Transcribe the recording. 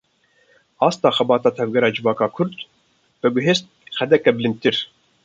Asta xebata tevgera civaka kurd, veguhest qadek bilindtir